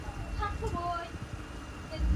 তিনি ছিলেন চৈতন্যদেবের জীবনীকার লোচনদাসের বংশধর।